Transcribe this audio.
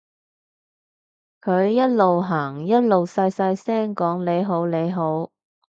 佢一路行一路細細聲講你好你好